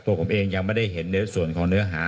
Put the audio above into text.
ผมเองยังไม่ได้เห็นในส่วนของเนื้อหา